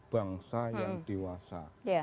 bangsa yang dewasa